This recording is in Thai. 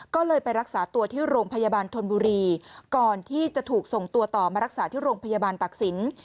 ก็เลยไปรักษาตัวที่โรงพยาบาลธนบุรีก่อนที่จะถูกส่งตัวต่อมารักษาที่โรงพยาบาลตักศิลป์